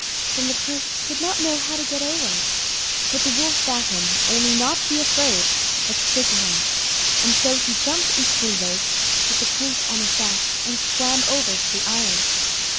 Then the Prince did not know how to get over it, but the Wolf bade him only not be afraid, but stick on, and so he jumped into the lake with the Prince on his back, and swam over to the island.